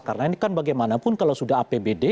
karena ini kan bagaimanapun kalau sudah apbd